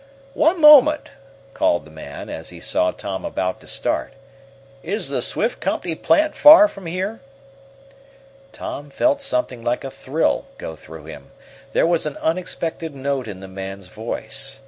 "One moment!" called the man, as he saw Tom about to start "Is the Swift Company plant far from here?" Tom felt something like a thrill go through him. There was an unexpected note in the man's voice.